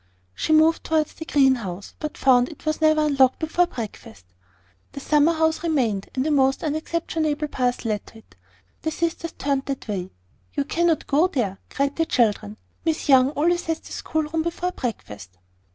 She moved towards the greenhouse, but found it was never unlocked before breakfast. The summerhouse remained, and a most unexceptionable path led to it. The sisters turned that way. "You cannot go there," cried the children; "Miss Young always has the schoolroom before breakfast."